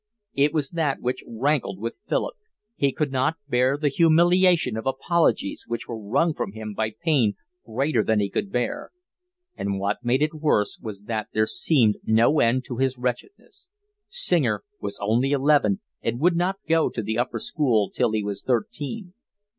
It was that which rankled with Philip: he could not bear the humiliation of apologies, which were wrung from him by pain greater than he could bear. And what made it worse was that there seemed no end to his wretchedness; Singer was only eleven and would not go to the upper school till he was thirteen.